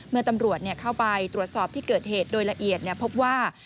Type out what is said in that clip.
เมื่อตำรวจเข้าไปตรวจสอบที่เกิดเหตุโดยละเอียดพบว่า